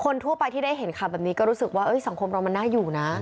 ทั่วไปที่ได้เห็นข่าวแบบนี้ก็รู้สึกว่าสังคมเรามันน่าอยู่นะ